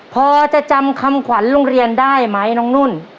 พอจะจำคำขวัญโรงเรียนได้ไหมน้องนุ่น